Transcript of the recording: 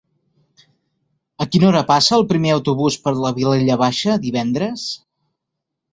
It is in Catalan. A quina hora passa el primer autobús per la Vilella Baixa divendres?